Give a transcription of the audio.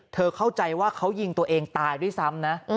เข้าใจว่าเขายิงตัวเองตายด้วยซ้ำนะ